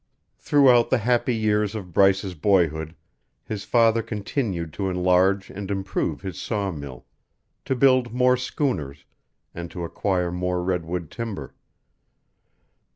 Throughout the happy years of Bryce's boyhood his father continued to enlarge and improve his sawmill, to build more schooners, and to acquire more redwood timber.